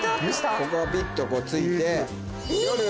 ここがピッとこうついて夜。